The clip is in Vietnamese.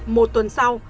một tuần sau